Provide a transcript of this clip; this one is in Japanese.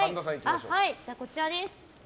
こちらです。